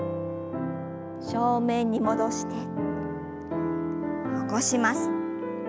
正面に戻して起こします。